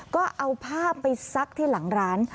ก็เอาผ้าไปซักที่หลังร้าน